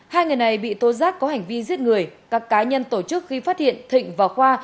hai người này bị tố giác có hành vi giết người các cá nhân tổ chức khi phát hiện thịnh và khoa